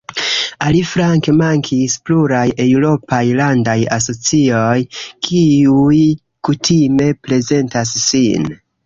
Aliflanke mankis pluraj eŭropaj landaj asocioj, kiuj kutime prezentas sin.